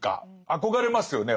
憧れますよね